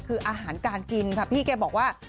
คืออาหารการกินค่ะพี่แกบอกว่า